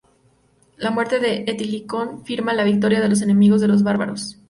La muerte de Estilicón firma la victoria de los enemigos de los bárbaros.